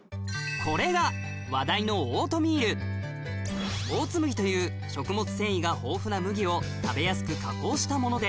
これが話題のオートミールオーツ麦という食物繊維が豊富な麦を食べやすく加工したもので